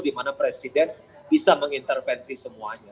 dimana presiden bisa mengintervensi semuanya